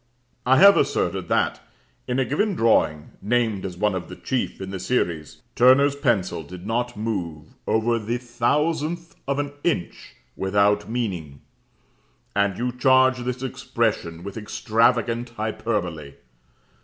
I have asserted that, in a given drawing (named as one of the chief in the series), Turner's pencil did not move over the thousandth of an inch without meaning; and you charge this expression with extravagant hyperbole.